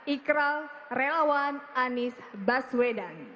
ikral relawan anies baswedan